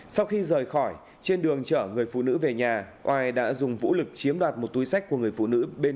sau khi rời khỏi trên đường chở người phụ nữ về nhà oai đã dùng vũ lực chiếm đoạt một túi sách của người phụ nữ